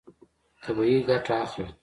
طبیعي ګټه اخله.